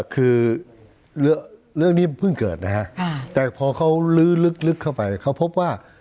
คือเรื่องนี้เพิ่งเกิดนะฮะแต่พอเขาลื้อลึกเข้าไปเขาพบว่า